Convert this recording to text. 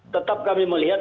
tetap kami melihat